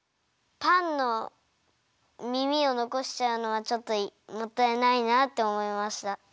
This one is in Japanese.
パンのみみをのこしちゃうのはちょっともったいないなっておもいました。